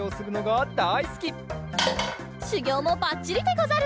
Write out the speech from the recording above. しゅぎょうもばっちりでござる。